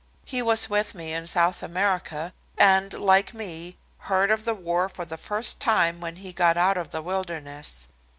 He was with me in South America, and like me, heard of the war for the first time when he got out of the wilderness.